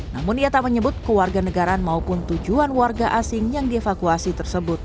namun ia tak menyebut kewarganegaraan maupun tujuan warga asing yang dievakuasi tersebut